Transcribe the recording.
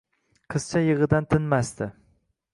Qizcha yig'idan tinmasdi.